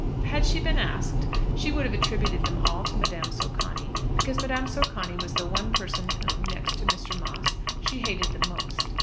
Had she been asked, she would have attributed them all to Madame Socani; because Madame Socani was the one person whom, next to Mr. Moss, she hated the most.